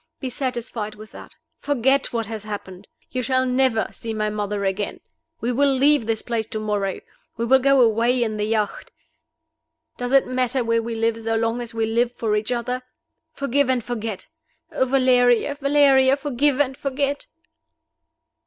Be satisfied with that. Forget what has happened. You shall never see my mother again. We will leave this place to morrow. We will go away in the yacht. Does it matter where we live, so long as we live for each other? Forgive and forget! Oh, Valeria, Valeria, forgive and forget!"